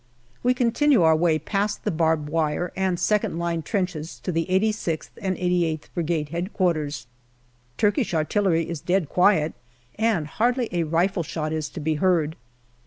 We continue our way past the barbed wire and second line trenches to the 86th and 88th Brigade H.Q. Turkish artillery is dead quiet, and hardly a rifle shot is to be heard.